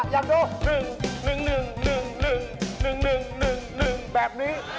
อยากดู